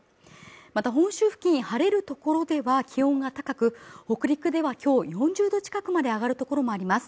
また本州付近晴れる所では気温が高く北陸ではきょう４０度近くまで上がる所もあります